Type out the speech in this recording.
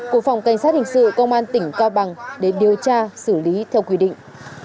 của phòng cảnh sát hình sự công an tỉnh cao bằng để điều tra xử lý theo quy định